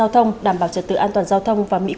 trên địa bàn tỉnh quảng ngãi